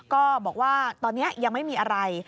ก็บอกว่าตอนนี้ยังไม่มีอะไร